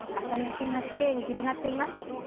朝焼けがきれいに広がっています。